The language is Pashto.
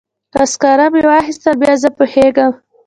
که سکاره مې واخیستل بیا زه پوهیږم.